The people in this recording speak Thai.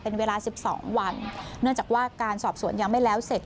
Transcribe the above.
เป็นเวลาสิบสองวันเนื่องจากว่าการสอบสวนยังไม่แล้วเสร็จ